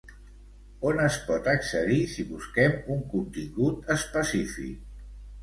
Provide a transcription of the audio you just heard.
On es pot accedir si busquem un contingut específic?